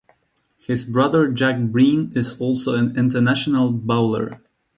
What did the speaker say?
His brother Jack Breen is also an international bowler.